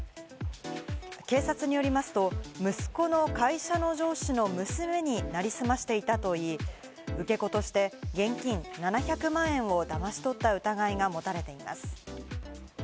警察によりますと息子の会社の上司の娘になりすましていたといい、受け子として現金７００万円をだまし取った疑いが持たれています。